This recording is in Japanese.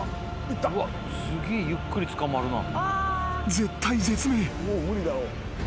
［絶体絶命。